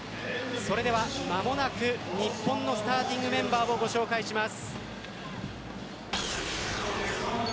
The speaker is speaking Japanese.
それでは間もなく日本のスターティングメンバーをご紹介します。